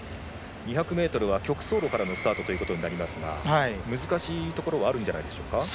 ２００ｍは曲走路からのスタートとなりますが難しいところはあるんじゃないでしょうか？